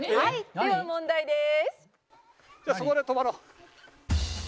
では問題です」